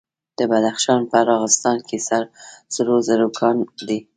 د بدخشان په راغستان کې سرو زرو کان دی.